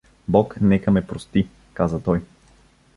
— Бог нека ме прости — каза той.